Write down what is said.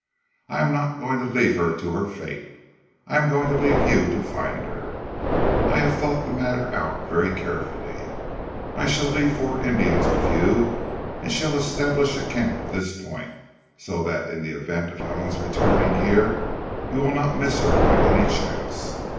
"I am not going to leave her to her fate. I am going to leave you to find her. I have thought the matter out very carefully. I shall leave four Indians with you, and shall establish a camp at this point, so that in the event of Helen returning here you will not miss her by any chance.